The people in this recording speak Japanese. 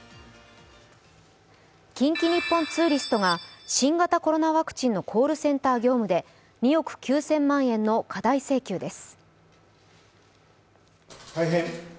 近畿日本ツーリストが新型コロナワクチンのコールセンター業務で２億９０００万円の過大請求です。